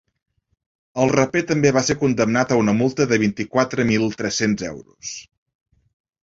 El raper també va ser condemnat a una multa de vint-i-quatre mil tres-cents euros.